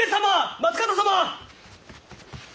松方様！